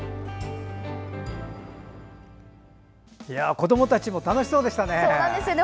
子どもたちも楽しそうでしたね。